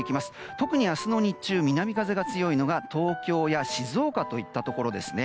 特に明日の日中南風が強いのが東京や静岡といったところです。